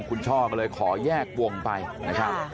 คุณช่อก็เลยขอแยกวงไปนะครับ